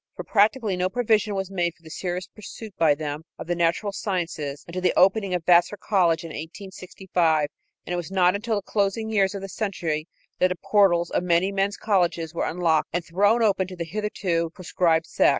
For practically no provision was made for the serious pursuit by them of the natural sciences until the opening of Vassar College in 1865, and it was not until the closing years of the century that the portals of many men's colleges were unlocked and thrown open to the hitherto proscribed sex.